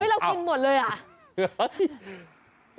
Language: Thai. เรากินหมดเลยอ่ะ